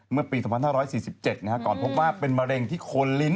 เมื่อปี๒๕๔๗ก่อนพบว่าเป็นมะเร็งที่คนลิ้น